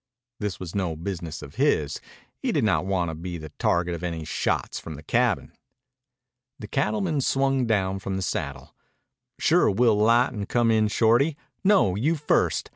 This was no business of his. He did not want to be the target of any shots from the cabin. The cattleman swung down from the saddle. "Sure we'll 'light and come in, Shorty. No, you first.